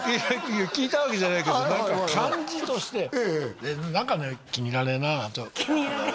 聞いたわけじゃないけど感じとして何かね気に入らねえなと「気に入らねえ」